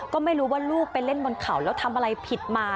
ก็ไม่รู้ว่าลูกไปเล่นบนเขาแล้วทำอะไรผิดมา